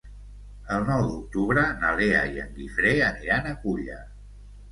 El nou d'octubre na Lea i en Guifré aniran a Culla.